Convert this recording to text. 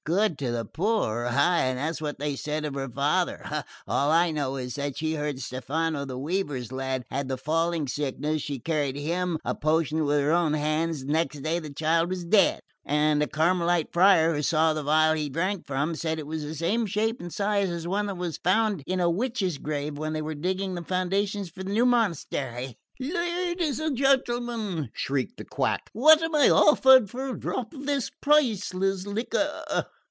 "Good to the poor? Ay, that's what they said of her father. All I know is that she heard Stefano the weaver's lad had the falling sickness, and she carried him a potion with her own hands, and the next day the child was dead, and a Carmelite friar, who saw the phial he drank from, said it was the same shape and size as one that was found in a witch's grave when they were digging the foundations for the new monastery." "Ladies and gentlemen," shrieked the quack, "what am I offered for a drop of this priceless liquor?"